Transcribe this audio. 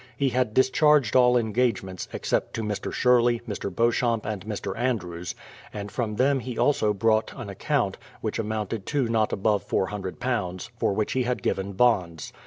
He had discharged all engagements, Except to Mr. Sherley, Mr. Beauchamp, and Mr, Andrews; and from them he also brought an account, which amounted to not above £400, for which he had given bonds.